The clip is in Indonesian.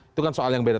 itu kan soal yang beda